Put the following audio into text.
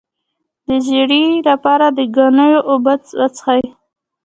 د ژیړي لپاره د ګنیو اوبه وڅښئ